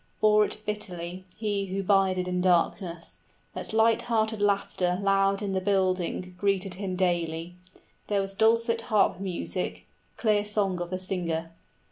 } Bore it bitterly, he who bided in darkness, 35 That light hearted laughter loud in the building Greeted him daily; there was dulcet harp music, Clear song of the singer.